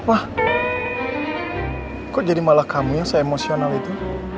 pak kok jadi malah kamu yang se emosional itu